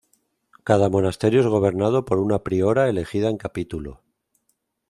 Cada monasterio es gobernado por una priora, elegida en capítulo.